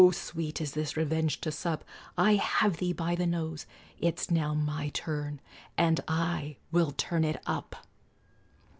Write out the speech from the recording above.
sweet is this revenge to sup; I have thee by the nose it's now My turn and I will turn it up."